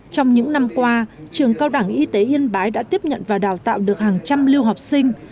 trong những năm qua trường cao đẳng y tế yên bái đã tiếp nhận và đào tạo được hàng trăm lưu học sinh